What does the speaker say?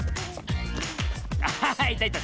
あいたいた。